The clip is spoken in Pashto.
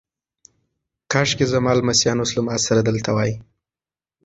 کاشکي زما لمسیان اوس له ما سره دلته وای.